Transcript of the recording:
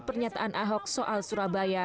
pernyataan ahok soal surabaya